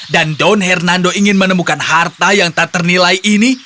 dan don hernando ingin menemukan harta yang tak ternilai ini